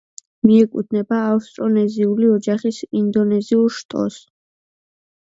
მიეკუთვნება ავსტრონეზიული ოჯახის ინდონეზიურ შტოს.